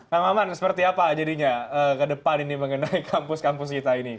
pak maman seperti apa jadinya ke depan ini mengenai kampus kampus kita ini